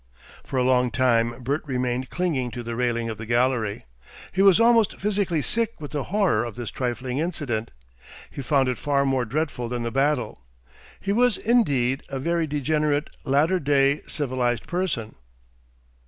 For a long time Bert remained clinging to the railing of the gallery. He was almost physically sick with the horror of this trifling incident. He found it far more dreadful than the battle. He was indeed a very degenerate, latter day, civilised person.